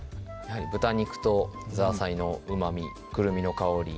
豚肉とザーサイのうまみ・くるみの香り・